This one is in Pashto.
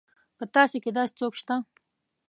په تاسي کې داسې څوک شته.